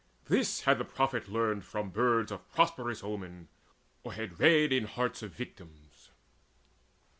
This had the prophet learnt. From birds of prosperous omen, or had read In hearts of victims.